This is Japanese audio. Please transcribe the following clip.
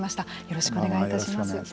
よろしくお願いします。